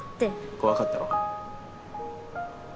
怖かったろ？